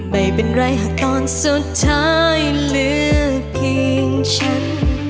ไม่เป็นไรค่ะตอนสุดท้ายเหลือเพียงฉัน